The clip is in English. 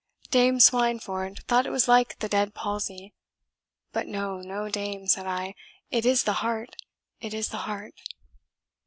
Dame Swineford thought it was like the dead palsy. But no, no, dame, said I, it is the heart, it is the heart."